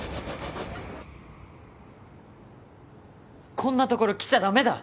こんな所来ちゃダメだ！